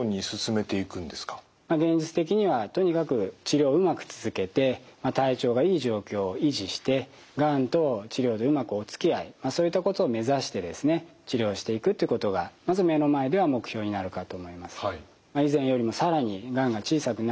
現実的にはとにかく治療をうまく続けて体調がいい状況を維持してがんと治療でうまくおつきあいそういったことを目指してですね治療していくってことがまず目の前では目標になるかと思います。